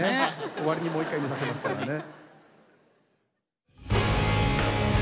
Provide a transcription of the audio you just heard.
終わりにもう一回見させますからね。